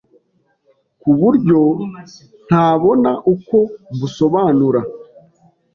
kuburyo ntabona uko mbusobanura